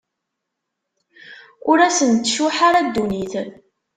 Ur asent-tcuḥḥ ara ddunit.